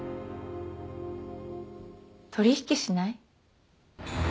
取引しない？